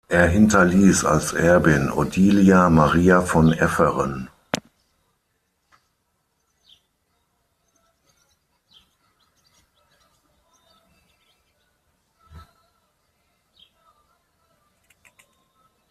Er hinterließ als Erbin Odilia Maria von Efferen.